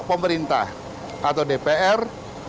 pemerintah atau dpr